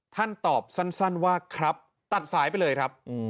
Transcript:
ท่านตอบสั้นว่าครับตัดสายไปเลยครับ